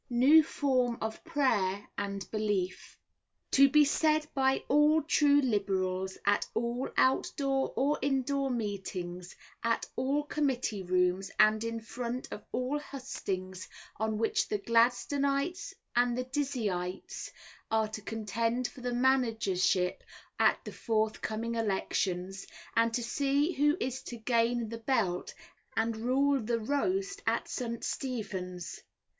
NEW FORM OF PRAYER AND BELIEF. To be said by all true Liberals, at all outdoor or indoor Meetings, at all Committee Rooms, and in front of all Hustings on which the Gladstonites and the Dizzeyites are to contend for the Managership at the forthcoming Elections, and to see who is to gain the belt, and rule the roast at St. Stephen's.